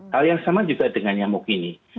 hal yang sama juga dengan nyamuk ini